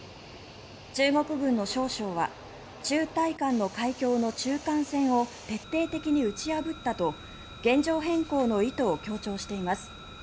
中国軍の少将は中台間の海峡の中間線を徹底的に打ち破ったと現状変更の意図を強調しています。